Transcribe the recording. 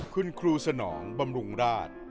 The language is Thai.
คุณครูสนองบำรุงราช